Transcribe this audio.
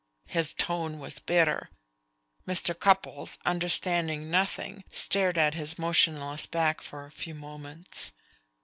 His tone was bitter. Mr. Cupples, understanding nothing, stared at his motionless back for a few moments.